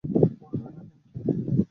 মরবে না কিন্তু।